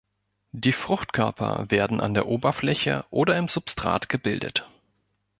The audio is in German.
Die Fruchtkörper werden an der Oberfläche oder im Substrat gebildet.